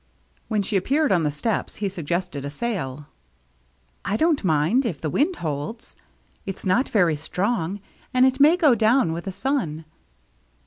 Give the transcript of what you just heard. When she appeared on the steps, he suggested a sail. "I don't mind — if the wind holds. It's not very strong, and it may go down with the sun."